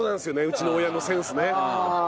うちの親のセンスね。